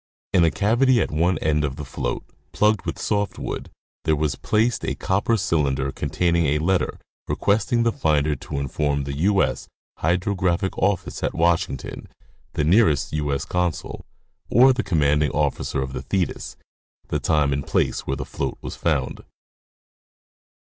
In a cavity at one end of the float, plugged with soft wood, there was placed a copper cylinder containing a letter requesting the finder to inform the U. S. Hydrographic office at Washington, the nearest U.S. Con sul, or the commanding officer of the Thetis, the time and place where the float was found.